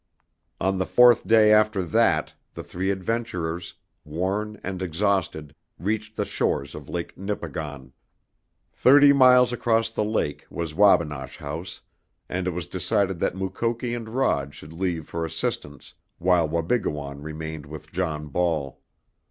On the fourth day after that the three adventurers, worn and exhausted, reached the shore of Lake Nipigon. Thirty miles across the lake was Wabinosh House, and it was decided that Mukoki and Rod should leave for assistance, while Wabigoon remained with John Ball.